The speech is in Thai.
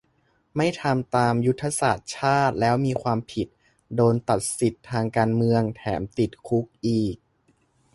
ไม่ทำตามยุทธศาสตร์ชาติแล้วมีความผิด โดนตัดสิทธิ์ทางการเมือง แถมติดคุกอีก